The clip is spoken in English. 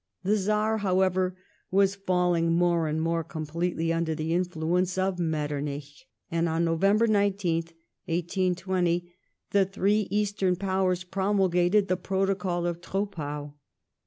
The Czar, however, was falling more and more completely under the influence of Metternich, and on November 19th, 1820, the three Eastern Powers promulgated the Protocol of Trpppau.